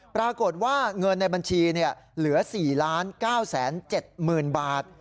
ปรากฏว่าเงินในบัญชีเหลือ๔๙๗๐๐๐บาท